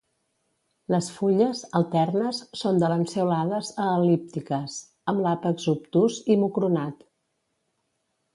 Les fulles, alternes, són de lanceolades a el·líptiques, amb l'àpex obtús i mucronat.